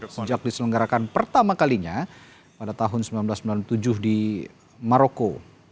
sejak diselenggarakan pertama kalinya pada tahun seribu sembilan ratus sembilan puluh tujuh di maroko